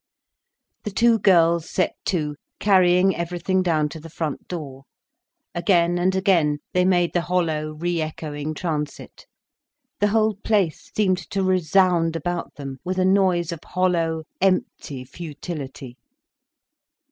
The two girls set to, carrying everything down to the front door. Again and again they made the hollow, re echoing transit. The whole place seemed to resound about them with a noise of hollow, empty futility.